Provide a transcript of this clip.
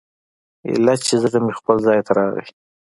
ايله چې زړه مې خپل ځاى ته راغى.